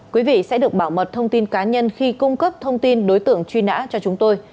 quý vị sẽ được bảo mật thông tin cá nhân khi cung cấp thông tin đối tượng truy nã cho chúng tôi